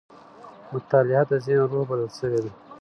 مطالعه د ذهن روح بلل سوې ده.